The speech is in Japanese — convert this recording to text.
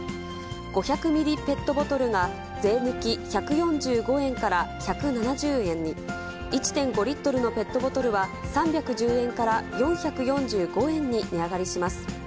５００ミリペットボトルが、税抜き１４５円から１７０円に、１．５リットルのペットボトルは３１０円から４４５円に値上がりします。